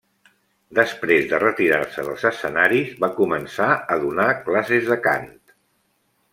Després de retirar-se dels escenaris va començar a donar classes de cant.